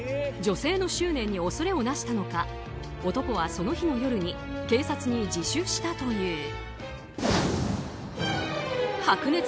女性の執念に恐れをなしたのか男は、その日の夜に警察に自首したという。